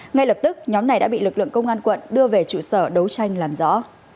ngay lập tức nhóm này đã bị lực lượng công an quận đưa về trụ sở đấu tranh làm rõ